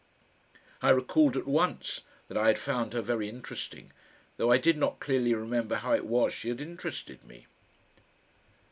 I recalled at once that I had found her very interesting, though I did not clearly remember how it was she had interested me.